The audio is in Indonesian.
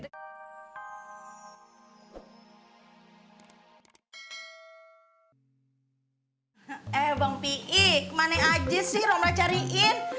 eh bang piik mana aja sih rambla cariin